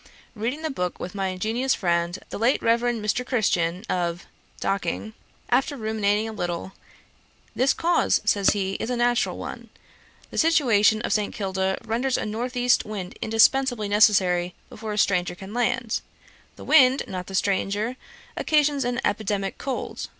Reading the book with my ingenious friend, the late Reverend Mr. Christian, of Docking after ruminating a little, "The cause, (says he,) is a natural one. The situation of St. Kilda renders a North East Wind indispensably necessary before a stranger can land. The wind, not the stranger, occasions an epidemic cold."